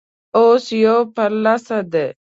اوس يو پر لس دی.